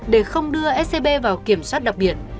để không đưa scb vào kiểm soát đặc biệt